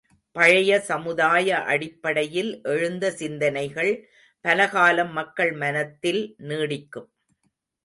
பழைய சமுதாய அடிப்படையில் எழுந்த சிந்தனைகள் பல காலம் மக்கள் மனத்தில் நீடிக்கும்.